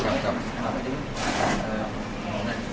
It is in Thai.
แล้วก็เอาดังมันดังมาก